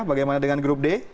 bagaimana dengan grup d